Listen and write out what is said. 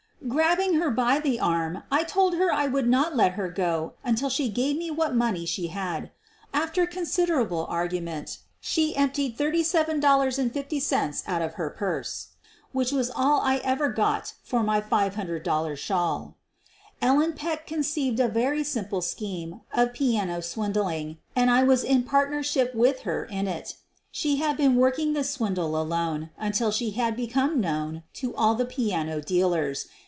Grabbing her by the arm I told her I would not let her go until she gave me what money she had. After considerable argument she emptied $37.50 out of her purse — which was all I ever got for my $500 shawl. Ellen Peck conceived a very simple scheme of piano swindling, and I was in partnership with her in it. She had been working this swindle alone until she had become known to all the piano dealers.